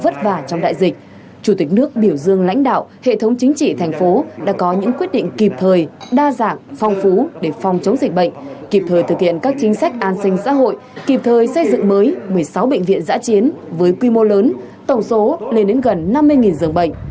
trong bối cảnh đạo hệ thống chính trị thành phố đã có những quyết định kịp thời đa dạng phong phú để phong chống dịch bệnh kịp thời thực hiện các chính sách an sinh xã hội kịp thời xây dựng mới một mươi sáu bệnh viện giã chiến với quy mô lớn tổng số lên đến gần năm mươi dường bệnh